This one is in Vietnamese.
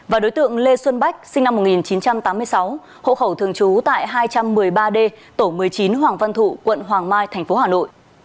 và đối tượng lê xuân bách sinh năm một nghìn chín trăm tám mươi sáu hộ khẩu thường trú tại hai trăm một mươi ba d tổ một mươi chín hoàng văn thụ quận hoàng mai tp hà nội